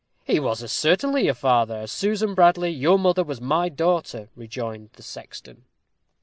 "He was as certainly your father, as Susan Bradley, your mother, was my daughter," rejoined the sexton.